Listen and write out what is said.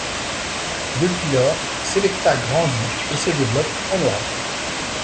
Depuis lors, Selecta grandi et se développe en Europe.